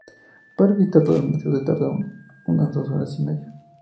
Para visitar todo el museo se tarda unas dos horas y media.